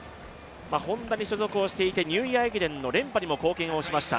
Ｈｏｎｄａに所属していてニューイヤー駅伝の連覇にも貢献しました。